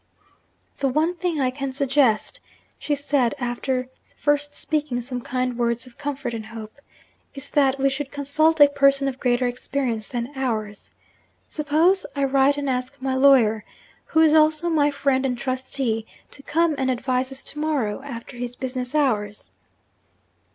'The one thing I can suggest,' she said, after first speaking some kind words of comfort and hope, 'is that we should consult a person of greater experience than ours. Suppose I write and ask my lawyer (who is also my friend and trustee) to come and advise us to morrow after his business hours?'